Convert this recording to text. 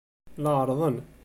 La ɛerrḍen.